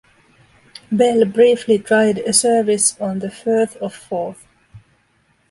Bell briefly tried a service on the Firth of Forth.